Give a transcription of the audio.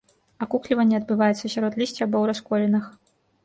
Акукліванне адбываецца сярод лісця або ў расколінах.